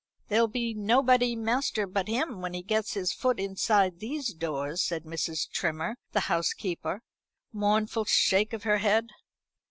"There'll be nobody master but him when once he gets his foot inside these doors," said Mrs. Trimmer, the housekeeper, with a mournful shake of her head.